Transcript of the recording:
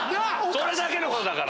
それだけのことだから。